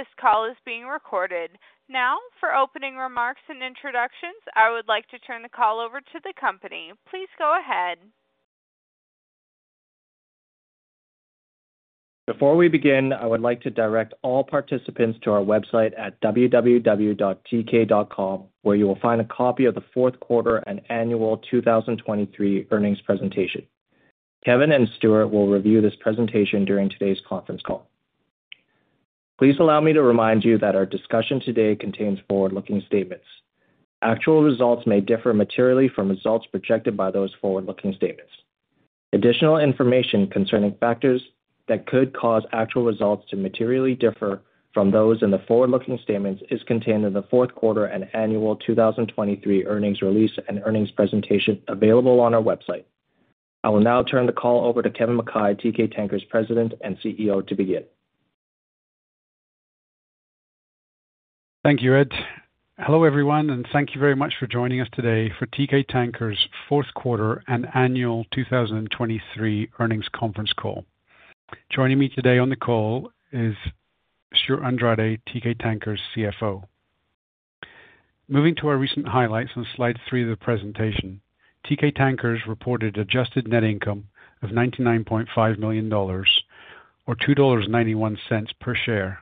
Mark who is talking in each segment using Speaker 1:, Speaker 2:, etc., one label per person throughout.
Speaker 1: This call is being recorded. Now, for opening remarks and introductions, I would like to turn the call over to the company. Please go ahead.
Speaker 2: Before we begin, I would like to direct all participants to our website at www.teekay.com, where you will find a copy of the fourth quarter and annual 2023 earnings presentation. Kevin and Stewart will review this presentation during today's conference call. Please allow me to remind you that our discussion today contains forward-looking statements. Actual results may differ materially from results projected by those forward-looking statements. Additional information concerning factors that could cause actual results to materially differ from those in the forward-looking statements is contained in the fourth quarter and annual 2023 earnings release and earnings presentation available on our website. I will now turn the call over to Kevin Mackay, Teekay Tankers President and CEO, to begin.
Speaker 3: Thank you, Ed. Hello everyone, and thank you very much for joining us today for Teekay Tankers' fourth quarter and annual 2023 earnings conference call. Joining me today on the call is Stewart Andrade, Teekay Tankers CFO. Moving to our recent highlights on slide 3 of the presentation, Teekay Tankers reported adjusted net income of $99.5 million or $2.91 per share,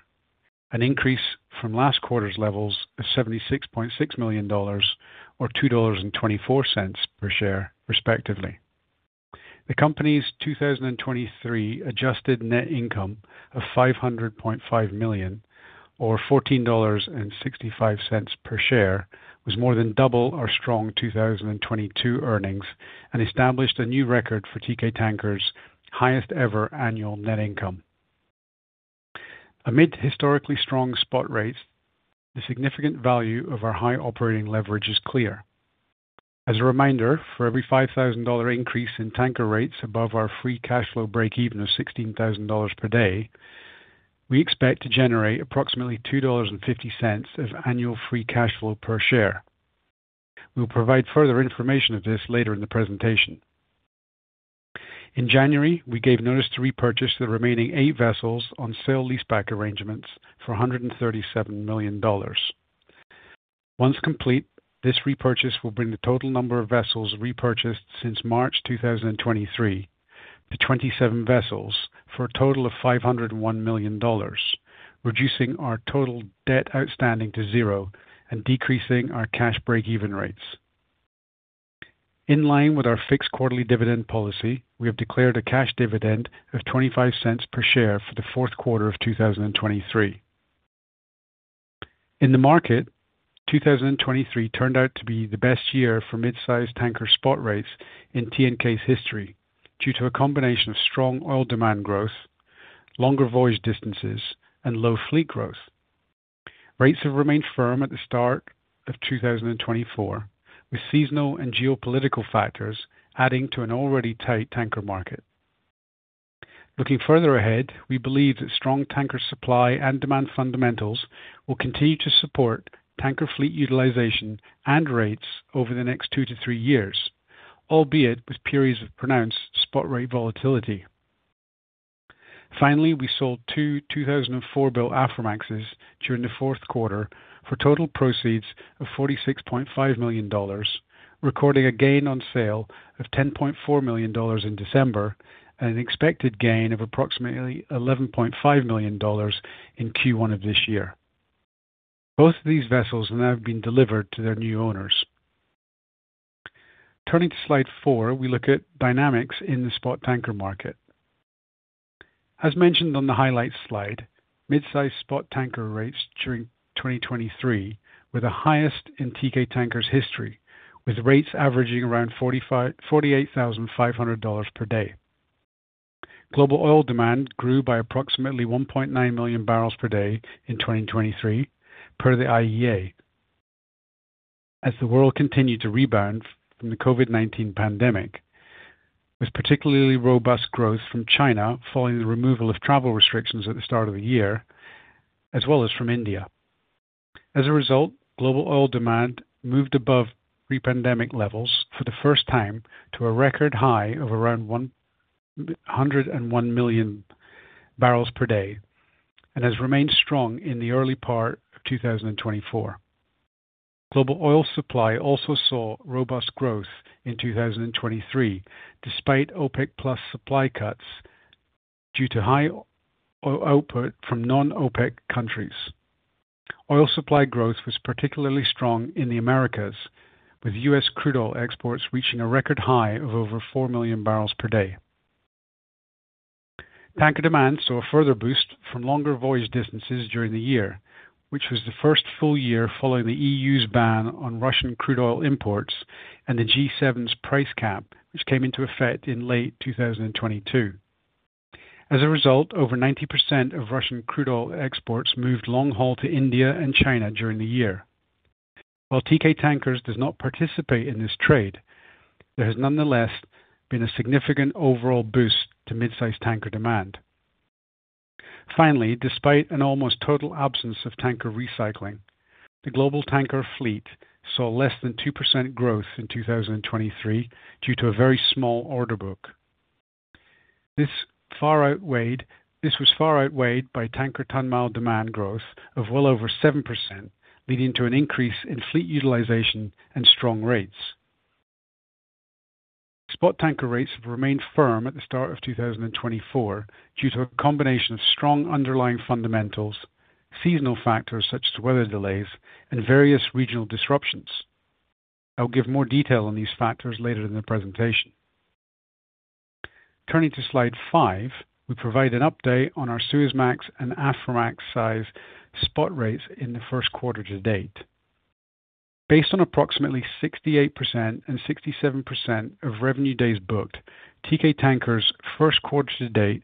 Speaker 3: an increase from last quarter's levels of $76.6 million or $2.24 per share, respectively. The company's 2023 adjusted net income of $500.5 million or $14.65 per share was more than double our strong 2022 earnings and established a new record for Teekay Tankers' highest-ever annual net income. Amid historically strong spot rates, the significant value of our high operating leverage is clear. As a reminder, for every $5,000 increase in tanker rates above our free cash flow break-even of $16,000 per day, we expect to generate approximately $2.50 of annual free cash flow per share. We will provide further information of this later in the presentation. In January, we gave notice to repurchase the remaining eight vessels on sale-leaseback arrangements for $137 million. Once complete, this repurchase will bring the total number of vessels repurchased since March 2023 to 27 vessels for a total of $501 million, reducing our total debt outstanding to zero and decreasing our cash break-even rates. In line with our fixed quarterly dividend policy, we have declared a cash dividend of $0.25 per share for the fourth quarter of 2023. In the market, 2023 turned out to be the best year for midsize tanker spot rates in TNK's history due to a combination of strong oil demand growth, longer voyage distances, and low fleet growth. Rates have remained firm at the start of 2024, with seasonal and geopolitical factors adding to an already tight tanker market. Looking further ahead, we believe that strong tanker supply and demand fundamentals will continue to support tanker fleet utilization and rates over the next 2-3 years, albeit with periods of pronounced spot rate volatility. Finally, we sold two 2004-built Aframaxes during the fourth quarter for total proceeds of $46.5 million, recording a gain on sale of $10.4 million in December and an expected gain of approximately $11.5 million in Q1 of this year. Both of these vessels now have been delivered to their new owners. Turning to slide 4, we look at dynamics in the spot tanker market. As mentioned on the highlights slide, midsize spot tanker rates during 2023 were the highest in Teekay Tankers' history, with rates averaging around $48,500 per day. Global oil demand grew by approximately 1.9 million barrels per day in 2023, per the IEA. As the world continued to rebound from the COVID-19 pandemic, with particularly robust growth from China following the removal of travel restrictions at the start of the year, as well as from India. As a result, global oil demand moved above pre-pandemic levels for the first time to a record high of around 101 million barrels per day and has remained strong in the early part of 2024. Global oil supply also saw robust growth in 2023 despite OPEC+ supply cuts due to high output from non-OPEC countries. Oil supply growth was particularly strong in the Americas, with U.S. crude oil exports reaching a record high of over 4 million barrels per day. Tanker demand saw a further boost from longer voyage distances during the year, which was the first full year following the EU's ban on Russian crude oil imports and the G7's price cap, which came into effect in late 2022. As a result, over 90% of Russian crude oil exports moved long-haul to India and China during the year. While Teekay Tankers does not participate in this trade, there has nonetheless been a significant overall boost to midsize tanker demand. Finally, despite an almost total absence of tanker recycling, the global tanker fleet saw less than 2% growth in 2023 due to a very small order book. This was far outweighed by tanker tonne-mile demand growth of well over 7%, leading to an increase in fleet utilization and strong rates. Spot tanker rates have remained firm at the start of 2024 due to a combination of strong underlying fundamentals, seasonal factors such as weather delays, and various regional disruptions. I will give more detail on these factors later in the presentation. Turning to slide five, we provide an update on our Suezmax and Aframax-size spot rates in the first quarter to date. Based on approximately 68% and 67% of revenue days booked, Teekay Tankers' first quarter to date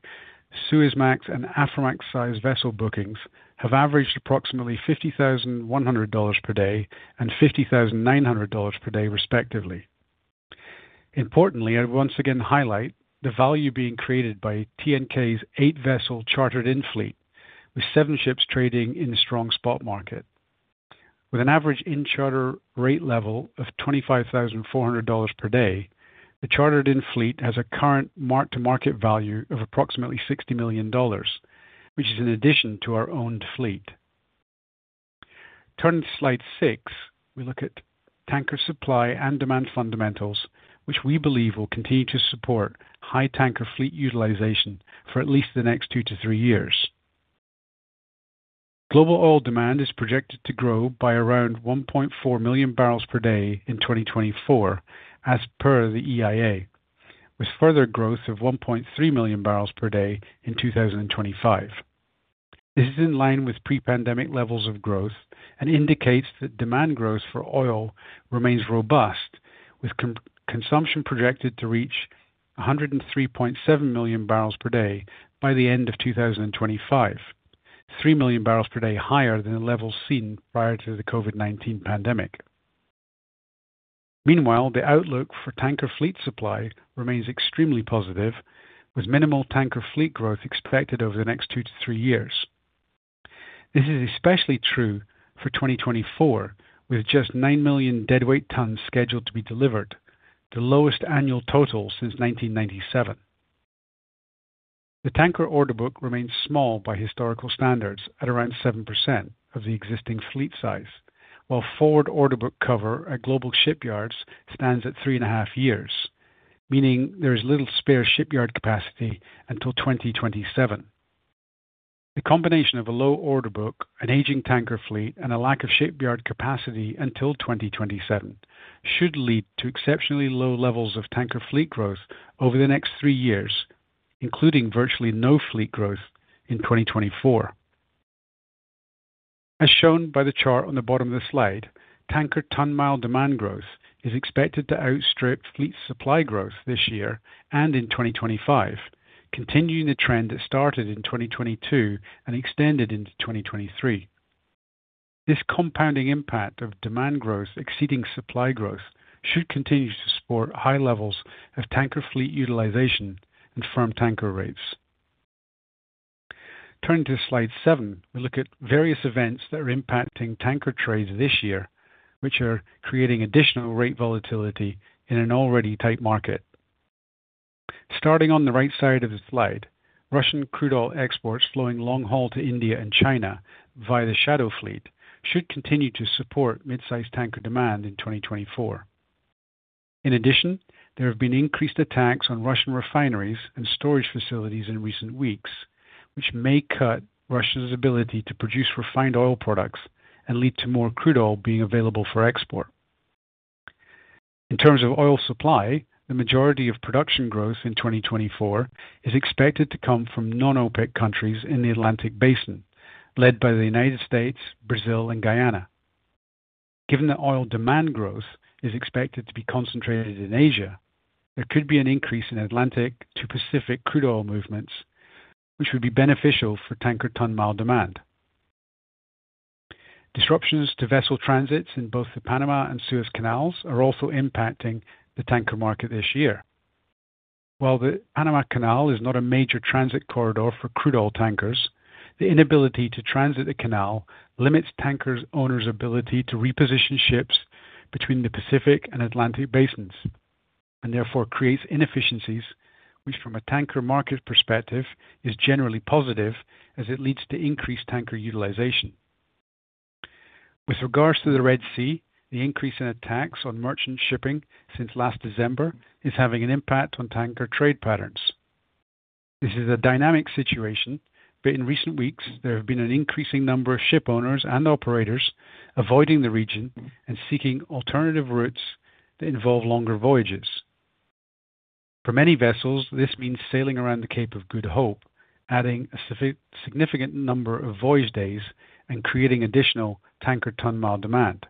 Speaker 3: Suezmax and Aframax-size vessel bookings have averaged approximately $50,100 per day and $50,900 per day, respectively. Importantly, I would once again highlight the value being created by TNK's eight-vessel chartered-in fleet, with seven ships trading in the strong spot market. With an average in-charter rate level of $25,400 per day, the chartered-in fleet has a current mark-to-market value of approximately $60 million, which is in addition to our owned fleet. Turning to slide 6, we look at tanker supply and demand fundamentals, which we believe will continue to support high tanker fleet utilization for at least the next 2-3 years. Global oil demand is projected to grow by around 1.4 million barrels per day in 2024, as per the EIA, with further growth of 1.3 million barrels per day in 2025. This is in line with pre-pandemic levels of growth and indicates that demand growth for oil remains robust, with consumption projected to reach 103.7 million barrels per day by the end of 2025, 3 million barrels per day higher than the levels seen prior to the COVID-19 pandemic. Meanwhile, the outlook for tanker fleet supply remains extremely positive, with minimal tanker fleet growth expected over the next 2-3 years. This is especially true for 2024, with just 9 million deadweight tons scheduled to be delivered, the lowest annual total since 1997. The tanker order book remains small by historical standards, at around 7% of the existing fleet size, while forward order book cover at global shipyards stands at 3.5 years, meaning there is little spare shipyard capacity until 2027. The combination of a low order book, an aging tanker fleet, and a lack of shipyard capacity until 2027 should lead to exceptionally low levels of tanker fleet growth over the next 3 years, including virtually no fleet growth in 2024. As shown by the chart on the bottom of the slide, tanker tonne-mile demand growth is expected to outstrip fleet supply growth this year and in 2025, continuing the trend that started in 2022 and extended into 2023. This compounding impact of demand growth exceeding supply growth should continue to support high levels of tanker fleet utilization and firm tanker rates. Turning to slide 7, we look at various events that are impacting tanker trades this year, which are creating additional rate volatility in an already tight market. Starting on the right side of the slide, Russian crude oil exports flowing long-haul to India and China via the shadow fleet should continue to support midsize tanker demand in 2024. In addition, there have been increased attacks on Russian refineries and storage facilities in recent weeks, which may cut Russia's ability to produce refined oil products and lead to more crude oil being available for export. In terms of oil supply, the majority of production growth in 2024 is expected to come from non-OPEC countries in the Atlantic Basin, led by the United States, Brazil, and Guyana. Given that oil demand growth is expected to be concentrated in Asia, there could be an increase in Atlantic to Pacific crude oil movements, which would be beneficial for tanker tonne-mile demand. Disruptions to vessel transits in both the Panama Canal and Suez Canal are also impacting the tanker market this year. While the Panama Canal is not a major transit corridor for crude oil tankers, the inability to transit the canal limits tankers' owners' ability to reposition ships between the Pacific and Atlantic Basins and therefore creates inefficiencies, which from a tanker market perspective is generally positive as it leads to increased tanker utilization. With regards to the Red Sea, the increase in attacks on merchant shipping since last December is having an impact on tanker trade patterns. This is a dynamic situation, but in recent weeks there have been an increasing number of ship owners and operators avoiding the region and seeking alternative routes that involve longer voyages. For many vessels, this means sailing around the Cape of Good Hope, adding a significant number of voyage days and creating additional tanker tonne-mile demand.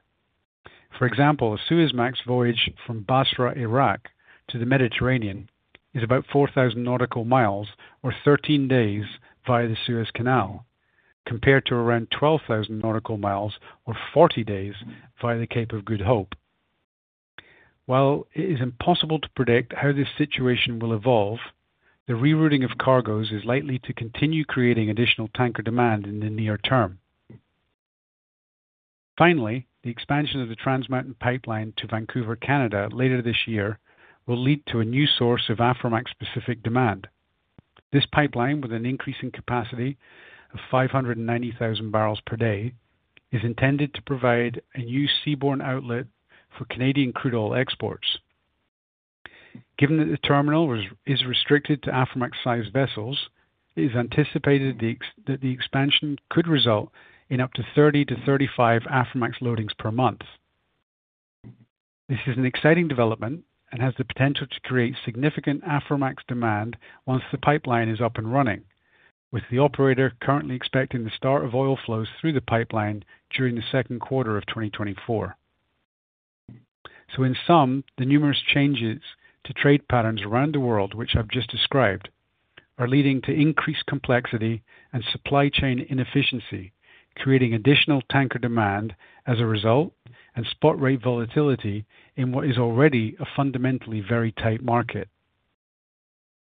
Speaker 3: For example, a Suezmax voyage from Basra, Iraq, to the Mediterranean is about 4,000 nautical miles or 13 days via the Suez Canal, compared to around 12,000 nautical miles or 40 days via the Cape of Good Hope. While it is impossible to predict how this situation will evolve, the rerouting of cargoes is likely to continue creating additional tanker demand in the near term. Finally, the expansion of the Trans Mountain Pipeline to Vancouver, Canada, later this year will lead to a new source of Aframax-specific demand. This pipeline, with an increasing capacity of 590,000 barrels per day, is intended to provide a new seaborne outlet for Canadian crude oil exports. Given that the terminal is restricted to Aframax-sized vessels, it is anticipated that the expansion could result in up to 30-35 Aframax loadings per month. This is an exciting development and has the potential to create significant Aframax demand once the pipeline is up and running, with the operator currently expecting the start of oil flows through the pipeline during the second quarter of 2024. In sum, the numerous changes to trade patterns around the world which I've just described are leading to increased complexity and supply chain inefficiency, creating additional tanker demand as a result and spot rate volatility in what is already a fundamentally very tight market.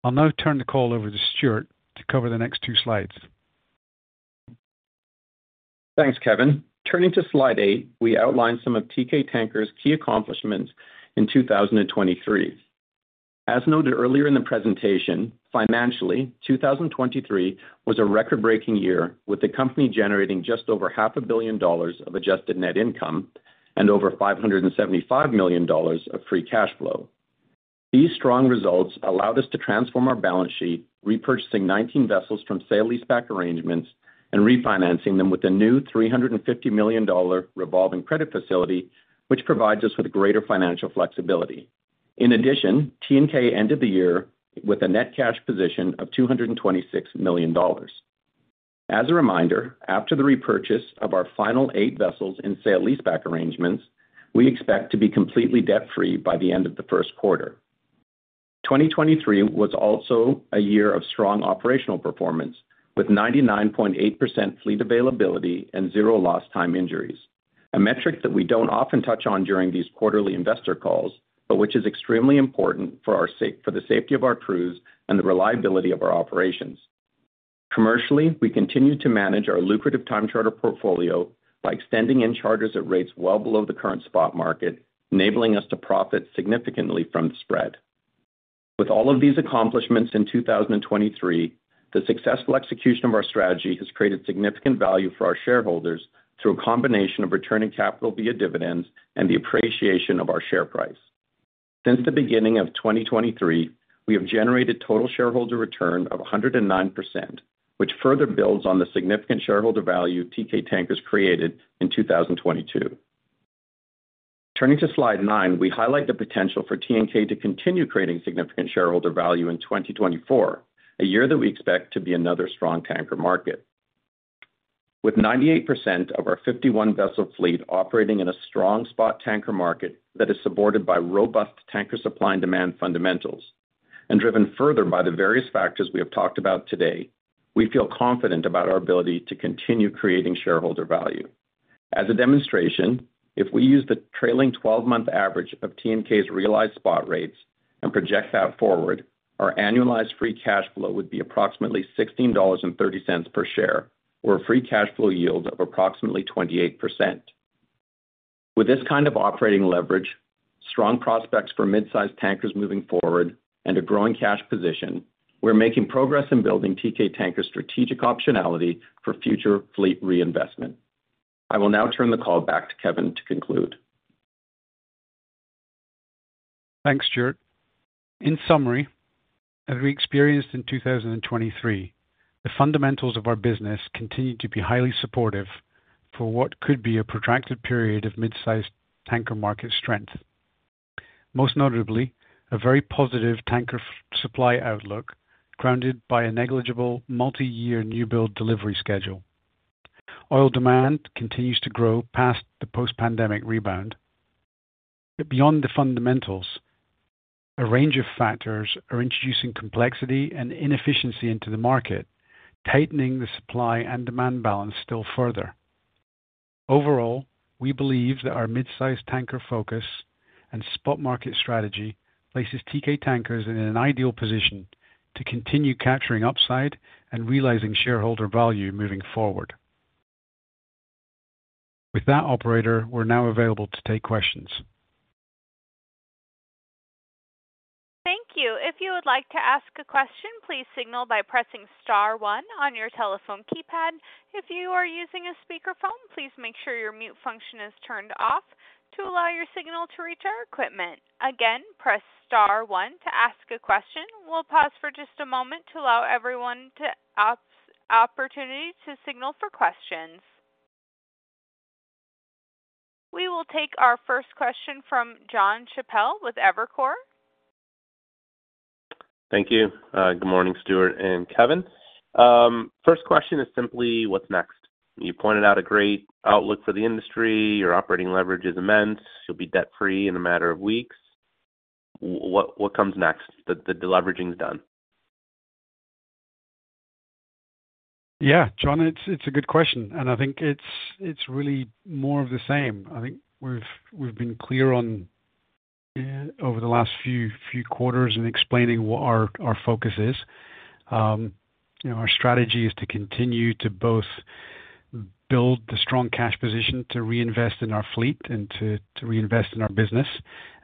Speaker 3: I'll now turn the call over to Stewart to cover the next two slides.
Speaker 4: Thanks, Kevin. Turning to slide 8, we outline some of Teekay Tankers' key accomplishments in 2023. As noted earlier in the presentation, financially, 2023 was a record-breaking year, with the company generating just over $500 million of adjusted net income and over $575 million of free cash flow. These strong results allowed us to transform our balance sheet, repurchasing 19 vessels from sale-leaseback arrangements and refinancing them with a new $350 million revolving credit facility, which provides us with greater financial flexibility. In addition, TNK ended the year with a net cash position of $226 million. As a reminder, after the repurchase of our final 8 vessels in sale-leaseback arrangements, we expect to be completely debt-free by the end of the first quarter. 2023 was also a year of strong operational performance, with 99.8% fleet availability and zero lost-time injuries, a metric that we don't often touch on during these quarterly investor calls but which is extremely important for the safety of our crews and the reliability of our operations. Commercially, we continue to manage our lucrative time-charter portfolio by extending in-charters at rates well below the current spot market, enabling us to profit significantly from the spread. With all of these accomplishments in 2023, the successful execution of our strategy has created significant value for our shareholders through a combination of returning capital via dividends and the appreciation of our share price. Since the beginning of 2023, we have generated total shareholder return of 109%, which further builds on the significant shareholder value Teekay Tankers created in 2022. Turning to slide 9, we highlight the potential for TNK to continue creating significant shareholder value in 2024, a year that we expect to be another strong tanker market. With 98% of our 51-vessel fleet operating in a strong spot tanker market that is supported by robust tanker supply and demand fundamentals and driven further by the various factors we have talked about today, we feel confident about our ability to continue creating shareholder value. As a demonstration, if we use the trailing 12-month average of TNK's realized spot rates and project that forward, our annualized free cash flow would be approximately $16.30 per share, with a free cash flow yield of approximately 28%. With this kind of operating leverage, strong prospects for midsize tankers moving forward, and a growing cash position, we're making progress in building Teekay Tankers' strategic optionality for future fleet reinvestment. I will now turn the call back to Kevin to conclude.
Speaker 3: Thanks, Stewart. In summary, as we experienced in 2023, the fundamentals of our business continue to be highly supportive for what could be a protracted period of midsize tanker market strength, most notably a very positive tanker supply outlook grounded by a negligible multi-year newbuild delivery schedule. Oil demand continues to grow past the post-pandemic rebound. But beyond the fundamentals, a range of factors are introducing complexity and inefficiency into the market, tightening the supply and demand balance still further. Overall, we believe that our midsize tanker focus and spot market strategy places Teekay Tankers in an ideal position to continue capturing upside and realizing shareholder value moving forward. With that, operator, we're now available to take questions.
Speaker 1: Thank you. If you would like to ask a question, please signal by pressing star one on your telephone keypad. If you are using a speakerphone, please make sure your mute function is turned off to allow your signal to reach our equipment. Again, press star one to ask a question. We'll pause for just a moment to allow everyone the opportunity to signal for questions. We will take our first question from John Chappell with Evercore.
Speaker 5: Thank you. Good morning, Stewart and Kevin. First question is simply, what's next? You pointed out a great outlook for the industry. Your operating leverage is immense. You'll be debt-free in a matter of weeks. What comes next? Deleveraging's done.
Speaker 3: Yeah, John, it's a good question, and I think it's really more of the same. I think we've been clear over the last few quarters in explaining what our focus is. Our strategy is to continue to both build the strong cash position to reinvest in our fleet and to reinvest in our business,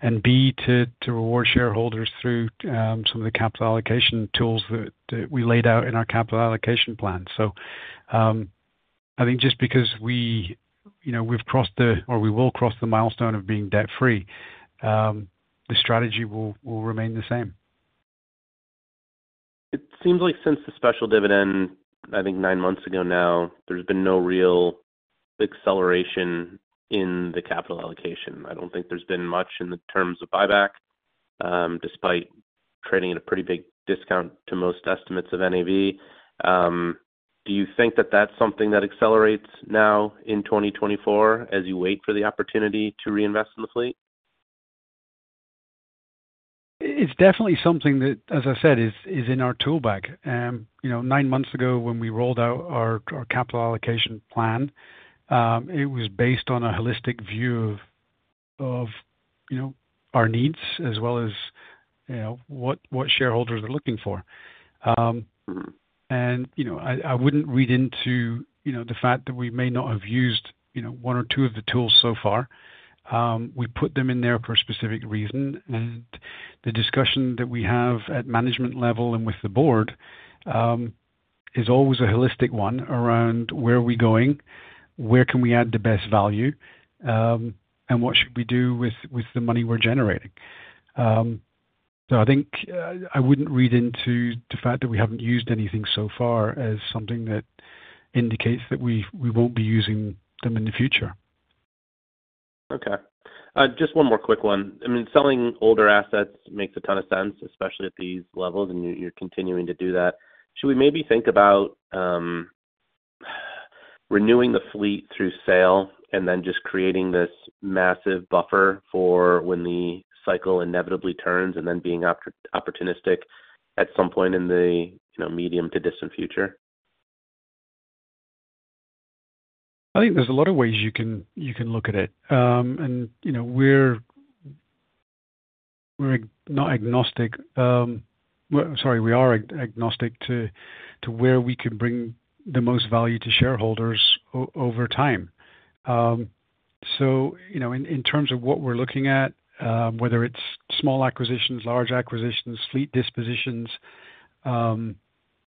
Speaker 3: and B, to reward shareholders through some of the capital allocation tools that we laid out in our capital allocation plan. So I think just because we've crossed the or we will cross the milestone of being debt-free, the strategy will remain the same. It seems like since the special dividend, I think nine months ago now, there's been no real acceleration in the capital allocation. I don't think there's been much in the terms of buyback, despite trading at a pretty big discount to most estimates of NAV. Do you think that that's something that accelerates now in 2024 as you wait for the opportunity to reinvest in the fleet? It's definitely something that, as I said, is in our tool bag. Nine months ago, when we rolled out our capital allocation plan, it was based on a holistic view of our needs as well as what shareholders are looking for. And I wouldn't read into the fact that we may not have used one or two of the tools so far. We put them in there for a specific reason, and the discussion that we have at management level and with the board is always a holistic one around where are we going, where can we add the best value, and what should we do with the money we're generating. So I think I wouldn't read into the fact that we haven't used anything so far as something that indicates that we won't be using them in the future.
Speaker 5: Okay. Just one more quick one. I mean, selling older assets makes a ton of sense, especially at these levels, and you're continuing to do that. Should we maybe think about renewing the fleet through sale and then just creating this massive buffer for when the cycle inevitably turns and then being opportunistic at some point in the medium to distant future? I think there's a lot of ways you can look at it. And we're not agnostic. Sorry, we are agnostic to where we can bring the most value to shareholders over time. So in terms of what we're looking at, whether it's small acquisitions, large acquisitions, fleet dispositions,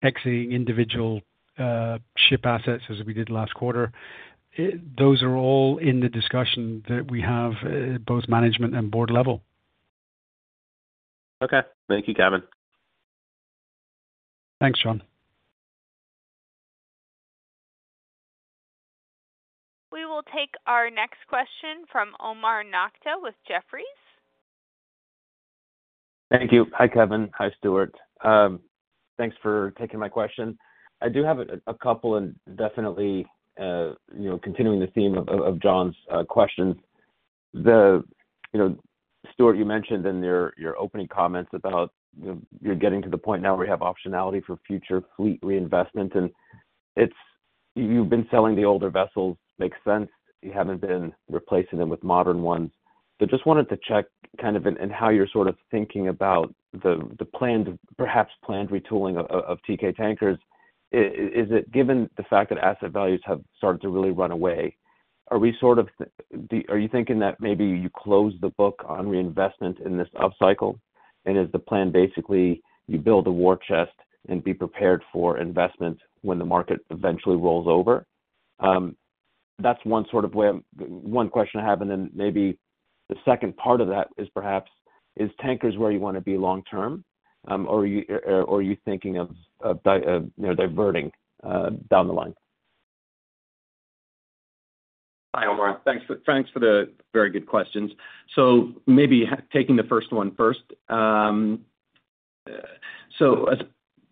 Speaker 5: exiting individual ship assets as we did last quarter, those are all in the discussion that we have, both management and board level. Okay. Thank you, Kevin.
Speaker 3: Thanks, Jonathan.
Speaker 1: We will take our next question from Omar Nokta with Jefferies.
Speaker 6: Thank you. Hi, Kevin. Hi, Stewart. Thanks for taking my question. I do have a couple and definitely continuing the theme of John's questions. Stewart, you mentioned in your opening comments about you're getting to the point now where you have optionality for future fleet reinvestment, and you've been selling the older vessels. Makes sense. You haven't been replacing them with modern ones. So just wanted to check kind of in how you're sort of thinking about the planned, perhaps planned retooling of Teekay Tankers. Is it given the fact that asset values have started to really run away, are we sort of are you thinking that maybe you close the book on reinvestment in this upcycle, and is the plan basically you build a war chest and be prepared for investment when the market eventually rolls over? That's one sort of way one question I have, and then maybe the second part of that is perhaps, is Tankers where you want to be long-term, or are you thinking of diverting down the line?
Speaker 4: Hi, Omar. Thanks for the very good questions. So maybe taking the first one first. So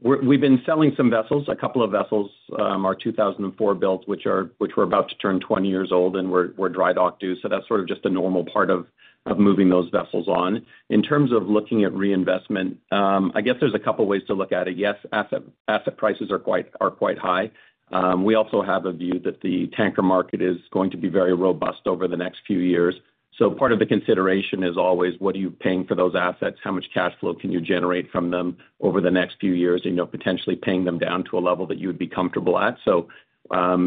Speaker 4: we've been selling some vessels, a couple of vessels, our 2004 builds, which were about to turn 20 years old, and we're drydock due. So that's sort of just a normal part of moving those vessels on. In terms of looking at reinvestment, I guess there's a couple of ways to look at it. Yes, asset prices are quite high. We also have a view that the tanker market is going to be very robust over the next few years. So part of the consideration is always, what are you paying for those assets? How much cash flow can you generate from them over the next few years and potentially paying them down to a level that you would be comfortable at? So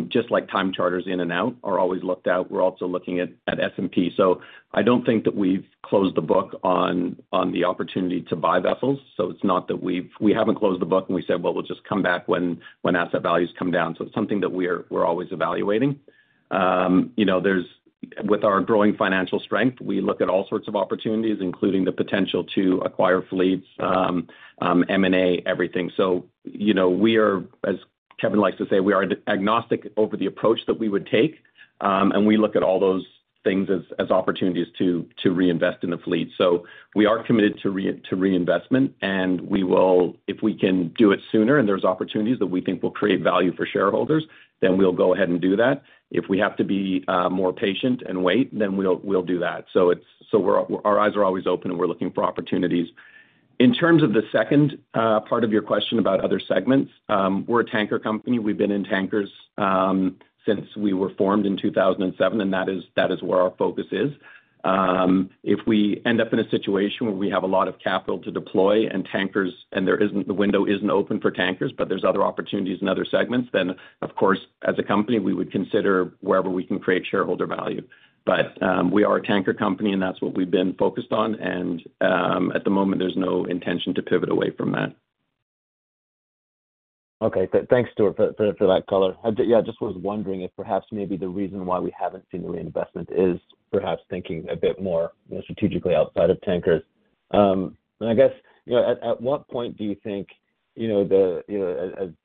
Speaker 4: just like time charters in and out are always looked at, we're also looking at S&P. So I don't think that we've closed the book on the opportunity to buy vessels. So it's not that we haven't closed the book and we said, "Well, we'll just come back when asset values come down." So it's something that we're always evaluating. With our growing financial strength, we look at all sorts of opportunities, including the potential to acquire fleets, M&A, everything. So we are, as Kevin likes to say, agnostic over the approach that we would take, and we look at all those things as opportunities to reinvest in the fleet. So we are committed to reinvestment, and if we can do it sooner and there's opportunities that we think will create value for shareholders, then we'll go ahead and do that. If we have to be more patient and wait, then we'll do that. So our eyes are always open, and we're looking for opportunities. In terms of the second part of your question about other segments, we're a tanker company. We've been in tankers since we were formed in 2007, and that is where our focus is. If we end up in a situation where we have a lot of capital to deploy and the window isn't open for tankers, but there's other opportunities in other segments, then, of course, as a company, we would consider wherever we can create shareholder value. But we are a tanker company, and that's what we've been focused on. And at the moment, there's no intention to pivot away from that.
Speaker 6: Okay. Thanks, Stewart, for that color. Yeah, I just was wondering if perhaps maybe the reason why we haven't seen the reinvestment is perhaps thinking a bit more strategically outside of tankers. And I guess at what point do you think the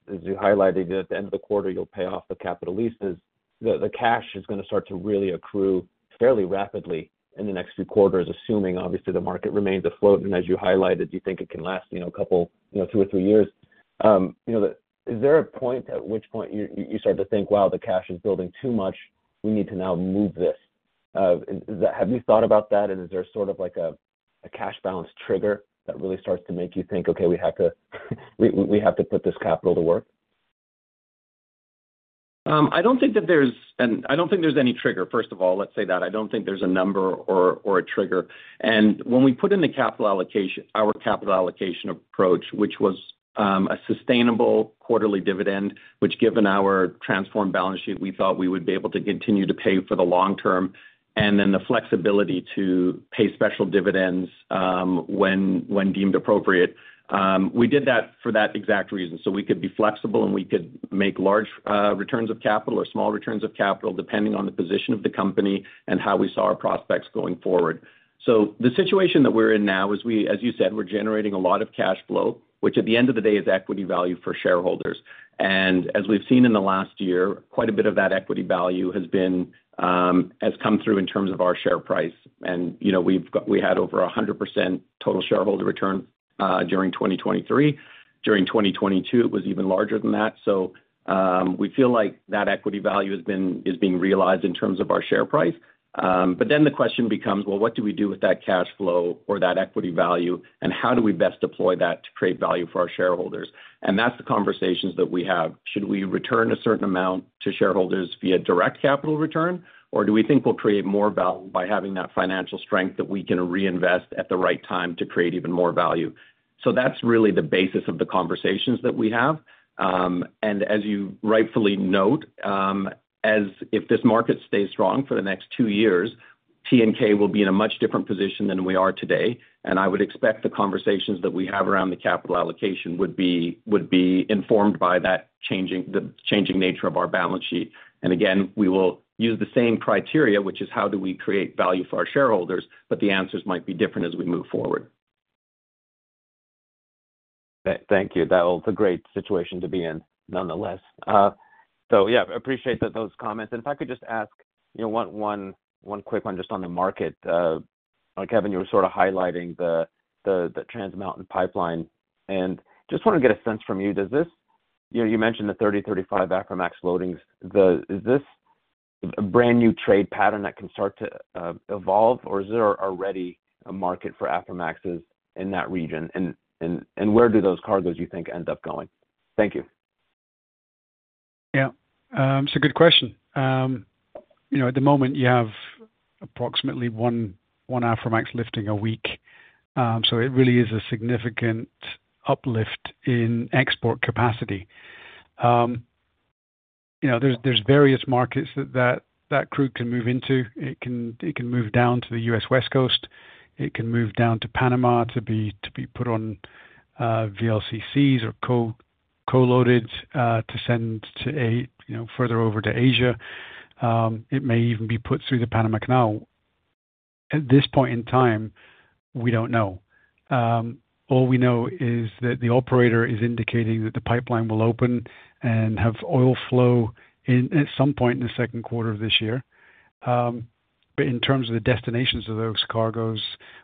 Speaker 6: as you highlighted, at the end of the quarter, you'll pay off the capital leases, the cash is going to start to really accrue fairly rapidly in the next few quarters, assuming, obviously, the market remains afloat. And as you highlighted, you think it can last a couple, two or three years. Is there a point at which point you start to think, "Wow, the cash is building too much. We need to now move this"? Have you thought about that, and is there sort of a cash balance trigger that really starts to make you think, "Okay, we have to put this capital to work"?
Speaker 4: I don't think that there's, and I don't think there's any trigger, first of all. Let's say that. I don't think there's a number or a trigger. When we put in the capital allocation, our capital allocation approach, which was a sustainable quarterly dividend, which given our transformed balance sheet, we thought we would be able to continue to pay for the long term, and then the flexibility to pay special dividends when deemed appropriate, we did that for that exact reason. So we could be flexible, and we could make large returns of capital or small returns of capital depending on the position of the company and how we saw our prospects going forward. So the situation that we're in now is, as you said, we're generating a lot of cash flow, which at the end of the day is equity value for shareholders. And as we've seen in the last year, quite a bit of that equity value has come through in terms of our share price. And we had over 100% total shareholder return during 2023. During 2022, it was even larger than that. So we feel like that equity value is being realized in terms of our share price. But then the question becomes, "Well, what do we do with that cash flow or that equity value, and how do we best deploy that to create value for our shareholders?" And that's the conversations that we have. Should we return a certain amount to shareholders via direct capital return, or do we think we'll create more value by having that financial strength that we can reinvest at the right time to create even more value? So that's really the basis of the conversations that we have. As you rightfully note, if this market stays strong for the next two years, TNK will be in a much different position than we are today. I would expect the conversations that we have around the capital allocation would be informed by the changing nature of our balance sheet. Again, we will use the same criteria, which is how do we create value for our shareholders, but the answers might be different as we move forward.
Speaker 6: Thank you. That was a great situation to be in, nonetheless. So yeah, appreciate those comments. If I could just ask one quick one just on the market. Kevin, you were sort of highlighting the Trans Mountain Pipeline. Just want to get a sense from you, does this you mentioned the 30-35 Aframax loadings. Is this a brand new trade pattern that can start to evolve, or is there already a market for Aframaxes in that region? And where do those cargoes, you think, end up going? Thank you.
Speaker 3: Yeah. It's a good question. At the moment, you have approximately 1 Aframax lifting a week. So it really is a significant uplift in export capacity. There's various markets that that crude can move into. It can move down to the US West Coast. It can move down to Panama to be put on VLCCs or co-loaded to send further over to Asia. It may even be put through the Panama Canal. At this point in time, we don't know. All we know is that the operator is indicating that the pipeline will open and have oil flow at some point in the second quarter of this year. But in terms of the destinations of those cargoes,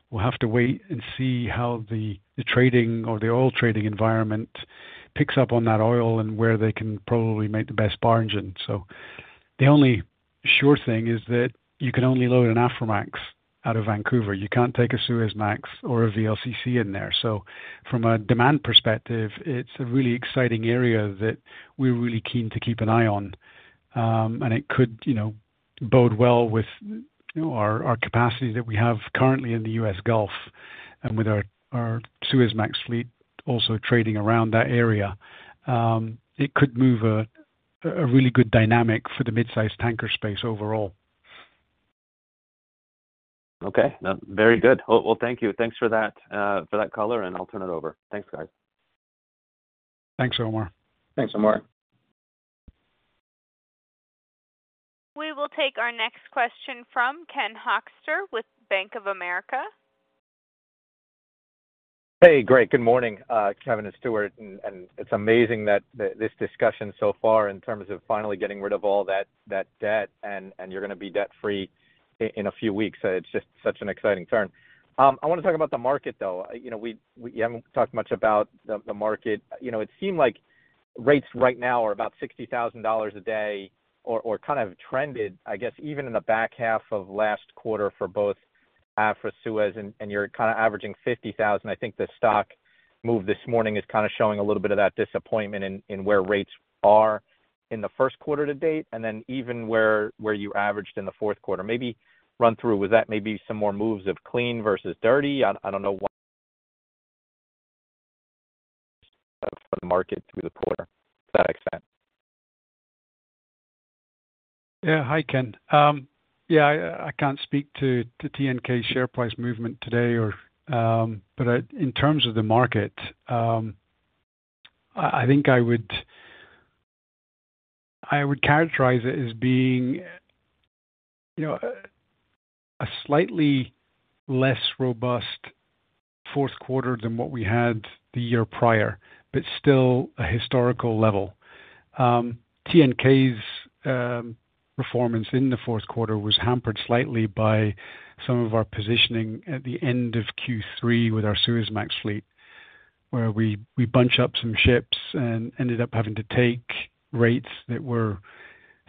Speaker 3: we'll have to wait and see how the trading or the oil trading environment picks up on that oil and where they can probably make the best bargain. So the only sure thing is that you can only load an Aframax out of Vancouver. You can't take a Suezmax or a VLCC in there. So from a demand perspective, it's a really exciting area that we're really keen to keep an eye on. And it could bode well with our capacity that we have currently in the US Gulf and with our Suezmax fleet also trading around that area. It could move a really good dynamic for the midsize tanker space overall.
Speaker 6: Okay. Very good. Well, thank you. Thanks for that color, and I'll turn it over. Thanks, guys.
Speaker 3: Thanks, Omar.
Speaker 4: Thanks, Omar.
Speaker 1: We will take our next question from Ken Hoexter with Bank of America.
Speaker 7: Hey, great. Good morning, Kevin and Stewart. It's amazing that this discussion so far in terms of finally getting rid of all that debt and you're going to be debt-free in a few weeks. It's just such an exciting turn. I want to talk about the market, though. We haven't talked much about the market. It seemed like rates right now are about $60,000 a day or kind of trended, I guess, even in the back half of last quarter for both Aframax, Suezmax, and you're kind of averaging $50,000. I think the stock move this morning is kind of showing a little bit of that disappointment in where rates are in the first quarter to date and then even where you averaged in the fourth quarter. Maybe run through, was that maybe some more moves of clean versus dirty? I don't know what the market through the quarter, to that extent.
Speaker 3: Yeah. Hi, Ken. Yeah, I can't speak to Teekay's share price movement today, but in terms of the market, I think I would characterize it as being a slightly less robust fourth quarter than what we had the year prior, but still a historical level. Tankers' performance in the fourth quarter was hampered slightly by some of our positioning at the end of Q3 with our Suezmax fleet, where we bunched up some ships and ended up having to take rates that were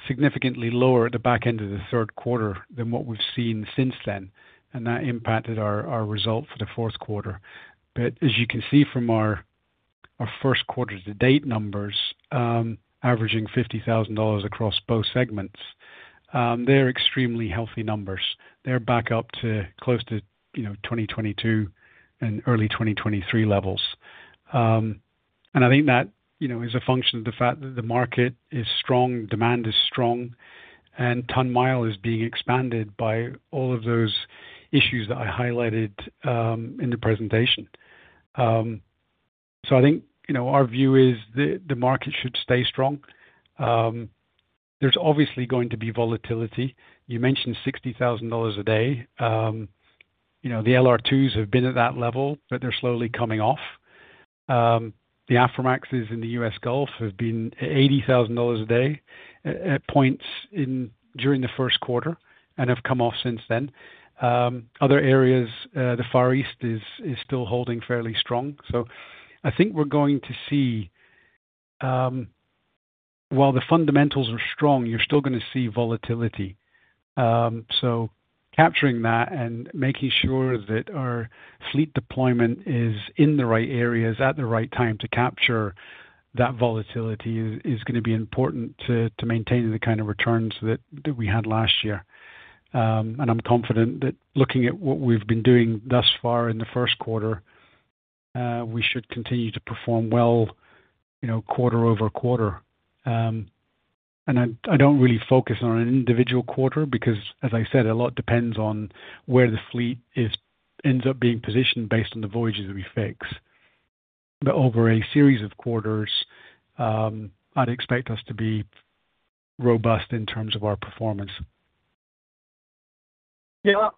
Speaker 3: significantly lower at the back end of the third quarter than what we've seen since then. That impacted our result for the fourth quarter. As you can see from our first quarter to date numbers, averaging $50,000 across both segments, they're extremely healthy numbers. They're back up to close to 2022 and early 2023 levels. I think that is a function of the fact that the market is strong, demand is strong, and tonne-mile is being expanded by all of those issues that I highlighted in the presentation. I think our view is the market should stay strong. There's obviously going to be volatility. You mentioned $60,000 a day. The LR2s have been at that level, but they're slowly coming off. The Aframaxes in the US Gulf have been at $80,000 a day at points during the first quarter and have come off since then. Other areas, the Far East is still holding fairly strong. So I think we're going to see while the fundamentals are strong, you're still going to see volatility. So capturing that and making sure that our fleet deployment is in the right areas at the right time to capture that volatility is going to be important to maintaining the kind of returns that we had last year. And I'm confident that looking at what we've been doing thus far in the first quarter, we should continue to perform well quarter-over-quarter. And I don't really focus on an individual quarter because, as I said, a lot depends on where the fleet ends up being positioned based on the voyages that we fix. But over a series of quarters, I'd expect us to be robust in terms of our performance.
Speaker 7: Yeah.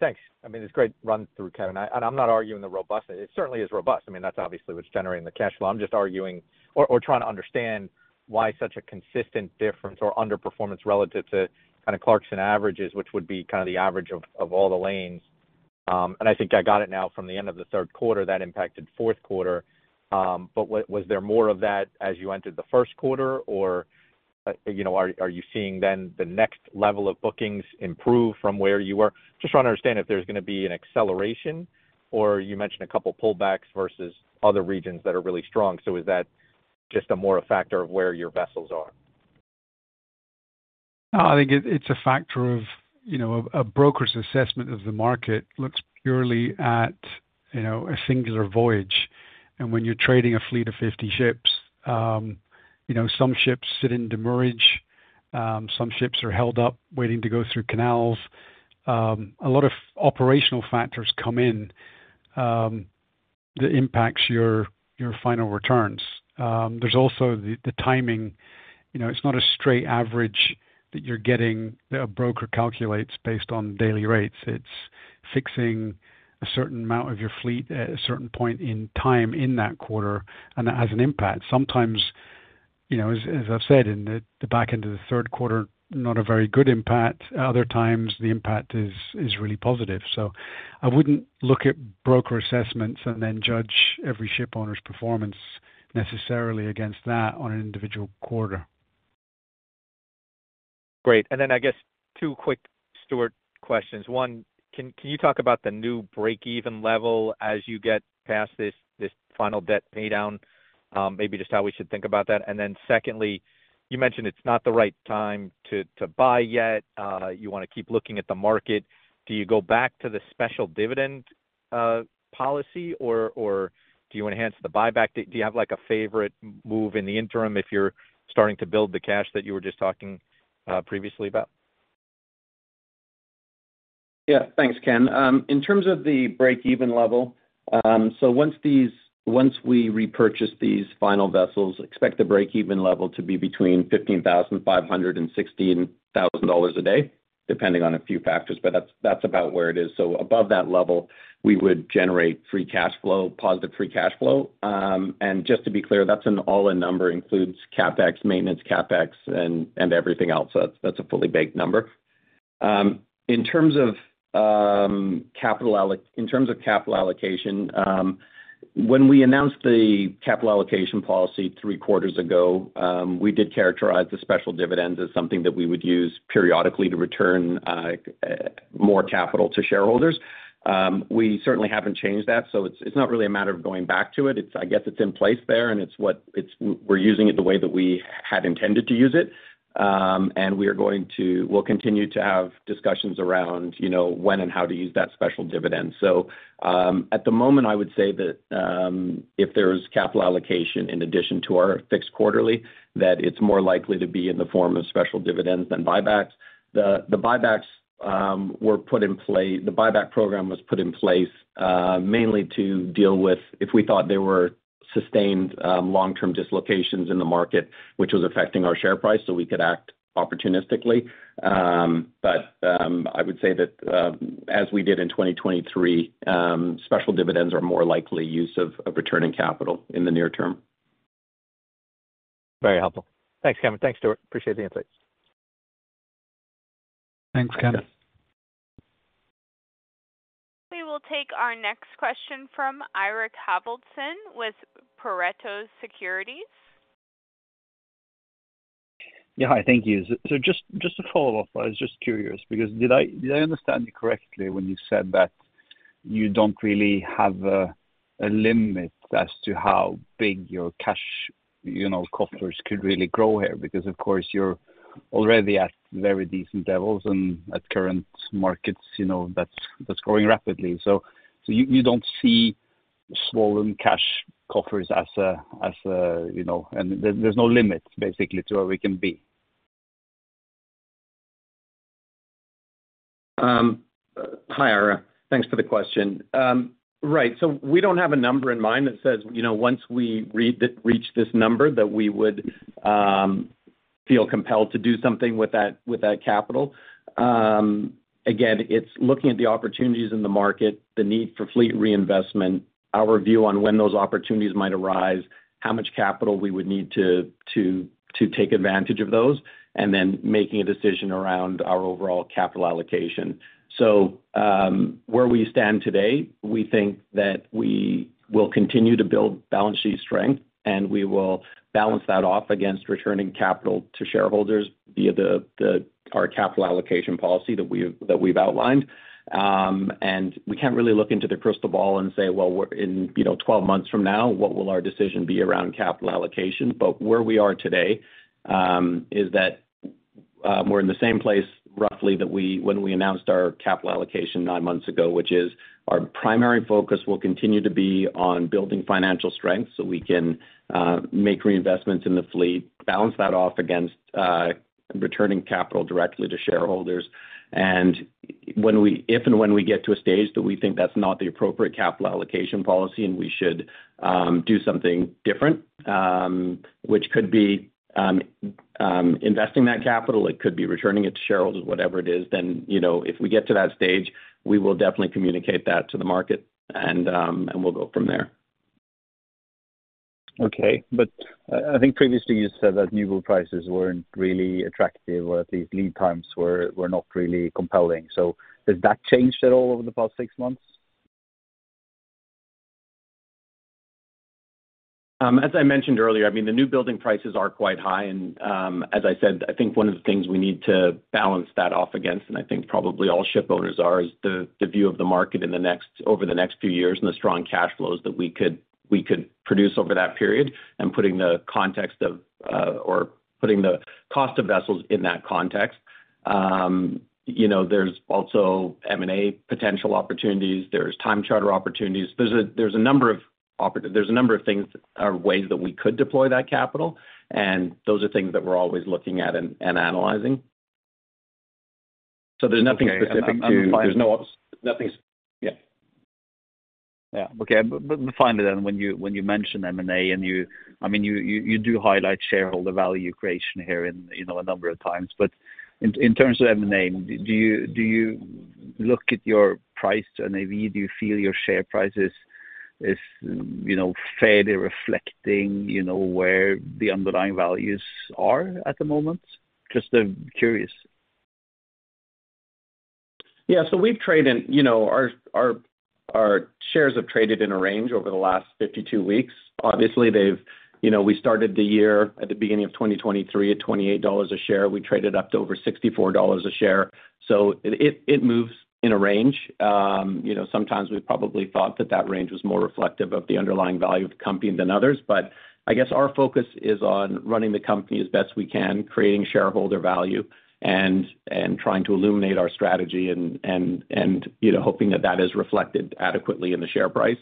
Speaker 7: Thanks. I mean, it's a great run through, Kevin. And I'm not arguing the robustness. It certainly is robust. I mean, that's obviously what's generating the cash flow. I'm just arguing or trying to understand why such a consistent difference or underperformance relative to kind of Clarksons averages, which would be kind of the average of all the lanes. And I think I got it now from the end of the third quarter that impacted fourth quarter. But was there more of that as you entered the first quarter, or are you seeing then the next level of bookings improve from where you were? Just trying to understand if there's going to be an acceleration, or you mentioned a couple of pullbacks versus other regions that are really strong. So is that just more a factor of where your vessels are?
Speaker 3: I think it's a factor of a broker's assessment of the market looks purely at a singular voyage. And when you're trading a fleet of 50 ships, some ships sit in demurrage. Some ships are held up waiting to go through canals. A lot of operational factors come in that impacts your final returns. There's also the timing. It's not a straight average that a broker calculates based on daily rates. It's fixing a certain amount of your fleet at a certain point in time in that quarter and that has an impact. Sometimes, as I've said, in the back end of the third quarter, not a very good impact. Other times, the impact is really positive. So I wouldn't look at broker assessments and then judge every ship owner's performance necessarily against that on an individual quarter.
Speaker 7: Great. And then I guess two quick Stewart questions. One, can you talk about the new break-even level as you get past this final debt paydown, maybe just how we should think about that? And then secondly, you mentioned it's not the right time to buy yet. You want to keep looking at the market. Do you go back to the special dividend policy, or do you enhance the buyback date? Do you have a favorite move in the interim if you're starting to build the cash that you were just talking previously about?
Speaker 4: Yeah. Thanks, Ken. In terms of the break-even level, so once we repurchase these final vessels, expect the break-even level to be between $15,500-$16,000 a day, depending on a few factors. But that's about where it is. So above that level, we would generate free cash flow, positive free cash flow. And just to be clear, that's an all-in number, includes CapEx, maintenance CapEx, and everything else. So that's a fully baked number. In terms of capital allocation in terms of capital allocation, when we announced the capital allocation policy three quarters ago, we did characterize the special dividends as something that we would use periodically to return more capital to shareholders. We certainly haven't changed that. So it's not really a matter of going back to it. I guess it's in place there, and we're using it the way that we had intended to use it. We'll continue to have discussions around when and how to use that special dividend. So at the moment, I would say that if there's capital allocation in addition to our fixed quarterly, that it's more likely to be in the form of special dividends than buybacks. The buybacks were put in place, the buyback program was put in place mainly to deal with if we thought there were sustained long-term dislocations in the market, which was affecting our share price, so we could act opportunistically. But I would say that as we did in 2023, special dividends are more likely use of returning capital in the near term.
Speaker 7: Very helpful. Thanks, Kevin. Thanks, Stewart. Appreciate the insights.
Speaker 4: Thanks, Ken.
Speaker 1: We will take our next question from Eirik Haavaldsen with Pareto Securities.
Speaker 8: Yeah. Hi. Thank you. So just a follow-up. I was just curious because did I understand you correctly when you said that you don't really have a limit as to how big your cash coffers could really grow here? Because, of course, you're already at very decent levels, and at current markets, that's growing rapidly. So you don't see swollen cash coffers as a and there's no limit, basically, to where we can be?
Speaker 3: Hi, Eirik. Thanks for the question. Right. So we don't have a number in mind that says once we reach this number that we would feel compelled to do something with that capital. Again, it's looking at the opportunities in the market, the need for fleet reinvestment, our view on when those opportunities might arise, how much capital we would need to take advantage of those, and then making a decision around our overall capital allocation. So where we stand today, we think that we will continue to build balance sheet strength, and we will balance that off against returning capital to shareholders via our capital allocation policy that we've outlined. We can't really look into the crystal ball and say, "Well, in 12 months from now, what will our decision be around capital allocation?" But where we are today is that we're in the same place, roughly, that when we announced our capital allocation 9 months ago, which is our primary focus will continue to be on building financial strength so we can make reinvestments in the fleet, balance that off against returning capital directly to shareholders. If and when we get to a stage that we think that's not the appropriate capital allocation policy and we should do something different, which could be investing that capital, it could be returning it to shareholders, whatever it is, then if we get to that stage, we will definitely communicate that to the market, and we'll go from there.
Speaker 8: Okay. But I think previously, you said that newbuild prices weren't really attractive, or at least lead times were not really compelling. So has that changed at all over the past six months?
Speaker 3: As I mentioned earlier, I mean, the newbuilding prices are quite high. And as I said, I think one of the things we need to balance that off against, and I think probably all ship owners are, is the view of the market over the next few years and the strong cash flows that we could produce over that period and putting the context of or putting the cost of vessels in that context. There's also M&A potential opportunities. There's time charter opportunities. There's a number of things or ways that we could deploy that capital. And those are things that we're always looking at and analyzing. So there's nothing specific.
Speaker 8: Yeah. Yeah. Okay. But finally, then, when you mention M&A and you—I mean, you do highlight shareholder value creation here a number of times. But in terms of M&A, do you look at your price to NAV? Do you feel your share price is fairly reflecting where the underlying values are at the moment? Just curious.
Speaker 3: Yeah. So our shares have traded in a range over the last 52 weeks. Obviously, we started the year at the beginning of 2023 at $28 a share. We traded up to over $64 a share. So it moves in a range. Sometimes, we probably thought that range was more reflective of the underlying value of the company than others. But I guess our focus is on running the company as best we can, creating shareholder value, and trying to illuminate our strategy and hoping that that is reflected adequately in the share price.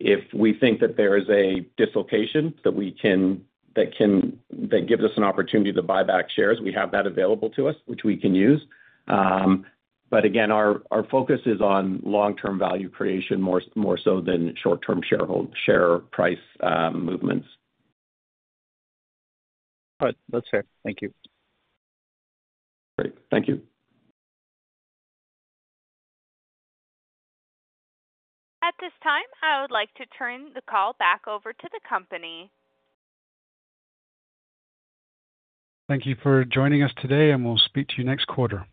Speaker 3: If we think that there is a dislocation that can give us an opportunity to buy back shares, we have that available to us, which we can use. But again, our focus is on long-term value creation more so than short-term share price movements.
Speaker 8: All right. That's fair. Thank you.
Speaker 3: Great. Thank you.
Speaker 1: At this time, I would like to turn the call back over to the company.
Speaker 3: Thank you for joining us today, and we'll speak to you next quarter.